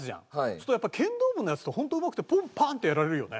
するとやっぱ剣道部のヤツってホントうまくてポンパーン！ってやられるよね。